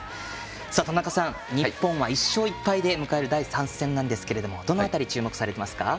田中さん、日本は１勝１敗で迎える第３戦どの辺り、注目されていますか？